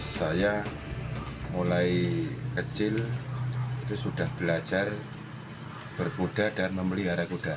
saya mulai kecil itu sudah belajar berkuda dan memelihara kuda